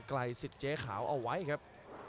ลายสิทธิ์เจ๊ขาวเอาไว้ครับ